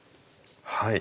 はい。